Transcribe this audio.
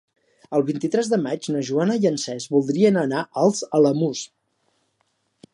El vint-i-tres de maig na Joana i en Cesc voldrien anar als Alamús.